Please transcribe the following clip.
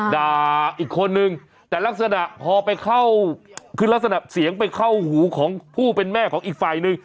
ด่าอีกคนนึงแต่ลักษณะพอไปเข้าคือลักษณะเสียงไปเข้าหูของผู้เป็นแม่ของอีกฝ่ายนึง